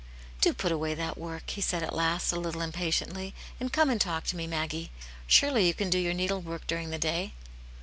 " Do put away that work!*' he said at last, a little impatiently, "and come and talk to me, Maggie. Surely you can do your needlework during the day."